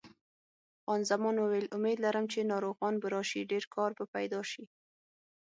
خان زمان وویل: امید لرم چې ناروغان به راشي، ډېر کار به پیدا شي.